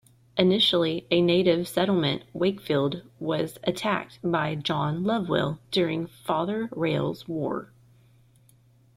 Initially a native settlement, Wakefield was attacked by John Lovewell during Father Rale's War.